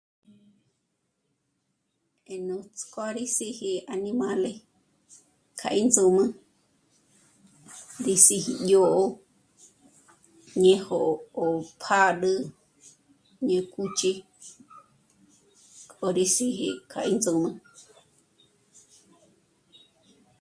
Eh... nuts'k'ó rí sìji animale k'a índzǔm'ü rí sìji dyó'o, ñéjo ó pjâd'ül, ñé kúch'i, k'o rí sìji k'a índzǔm'ü